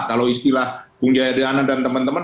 kalau istilah bung jaya diana dan teman teman